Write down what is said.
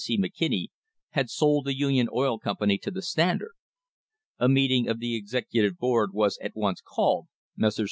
C. McKinney had sold the Union Oil Company to the Standard. A meeting of the executive board was at once called, Messrs.